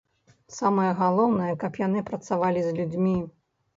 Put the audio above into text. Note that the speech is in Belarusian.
Самае галоўнае, каб яны працавалі з людзьмі.